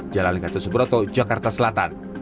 jalan lenggatu soebroto jakarta selatan